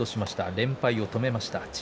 連敗を止めました。